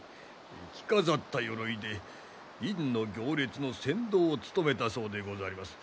着飾った鎧で院の行列の先導を務めたそうでござります。